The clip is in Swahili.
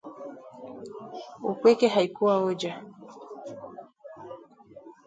Upweke haikuwa hoja